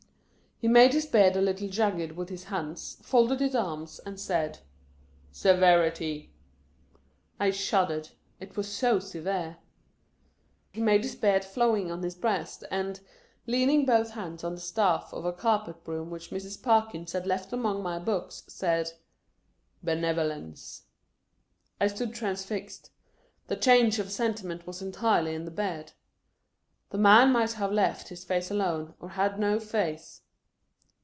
He made his beard a little jagged with his hands, folded his arms, and said, " Severity !" I shuddered. It was so severe. He made his beard flowing, on his breast, and, leaning, both hands on the staff of a carpet broom which Mrs. Parkins had left among my books, said :" Benevolence." I stood transfixed. The change of senti ment was entirely in the beard. The man might have left his face alone, or had no face.